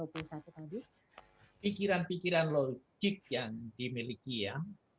pikiran pikiran logik yang dimiliki ya